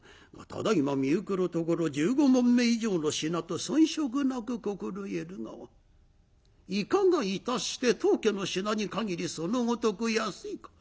ただいま見ゆくるところ１５匁以上の品と遜色なく心得るがいかがいたして当家の品にかぎりそのごとく安いか？」。